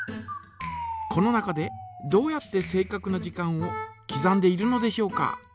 この中でどうやって正かくな時間をきざんでいるのでしょうか。